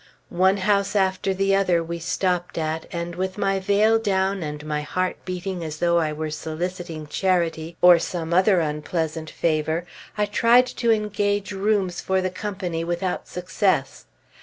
One house after the other we stopped at, and with my veil down and my heart beating as though I were soliciting charity, or some other unpleasant favor, I tried to engage rooms for the company, without success.